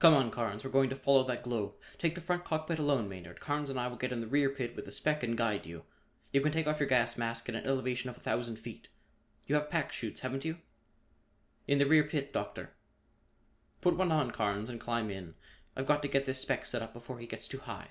"Come on, Carnes, we're going to follow that globe. Take the front cockpit alone, Maynard; Carnes and I will get in the rear pit with the spec and guide you. You can take off your gas mask at an elevation of a thousand feet. You have pack 'chutes, haven't you?" "In the rear pit, Doctor." "Put one on, Carnes, and climb in. I've got to get this spec set up before he gets too high."